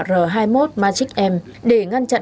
r hai mươi một magic m để ngăn chặn